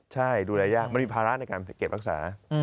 ใช่ดูแลยากมันมีภาระในการเก็บรักษา